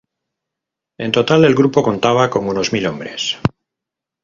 En total, el grupo contaba con unos mil hombres.